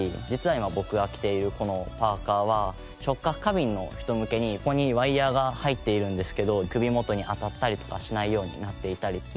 実は今僕が着ているこのパーカは触覚過敏の人向けにここにワイヤが入っているんですけど首元に当たったりとかしないようになっていたり。